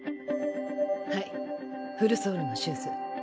はいフルソールのシューズ。